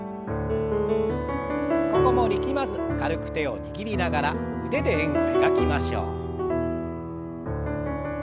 ここも力まず軽く手を握りながら腕で円を描きましょう。